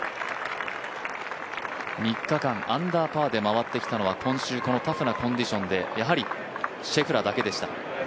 ３日間アンダーパーで回ってきたのは今週タフなコンディションで回ってきたのはやはりシェフラーだけでした。